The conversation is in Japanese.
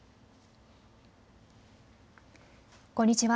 こんにちは。